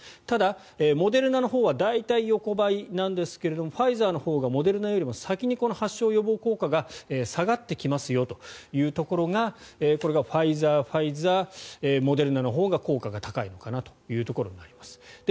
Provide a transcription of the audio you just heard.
ただ、モデルナのほうは大体、横ばいなんですがファイザーのほうがモデルナよりも先にこの発症予防効果が下がってきますよというところがこれがファイザー、ファイザーモデルナのほうが効果が高いのかなというところになります。